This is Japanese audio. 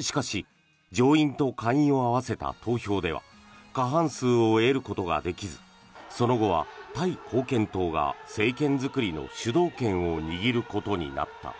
しかし上院と下院を合わせた投票では過半数を得ることができずその後はタイ貢献党が政権作りの主導権を握ることになった。